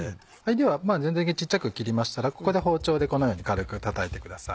では全体的に小っちゃく切りましたらここで包丁でこのように軽くたたいてください。